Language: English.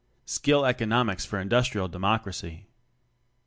Skill Economics for Industrial Democracy.